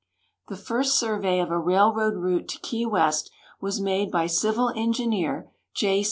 The first survey of a railroad route to Key West was made by Civil Engineer J.